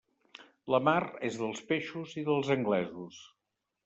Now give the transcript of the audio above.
La mar és dels peixos i dels anglesos.